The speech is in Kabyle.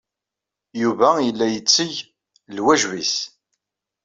Yuba yella yetteg lwajeb-nnes.